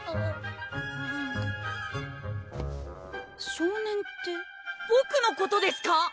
少年ってボクのことですか